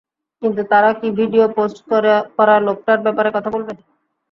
কিন্তু তারা কি ভিডিও পোস্ট করা লোকটার ব্যাপারে কথা বলবে?